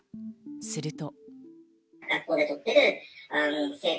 すると。